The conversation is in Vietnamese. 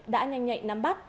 đã nhanh nhạy nắm bắt